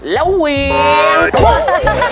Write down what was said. แล้วเวียง